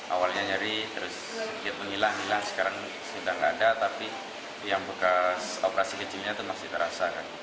awalnya nyari terus sedikit menghilang sekarang sudah tidak ada tapi yang bekas operasi kecilnya itu masih terasa kan